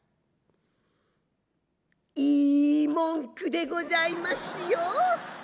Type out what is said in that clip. いい文句でございますよ。